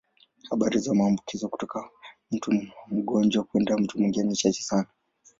Habari za maambukizo kutoka mtu mgonjwa kwenda mtu mwingine ni chache sana.